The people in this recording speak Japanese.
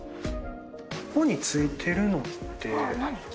ここについてるのって。